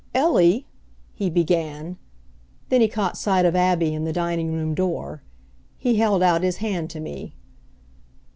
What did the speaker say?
"Ellie," he began then he caught sight of Abby in the dining room door. He held out his hand to me.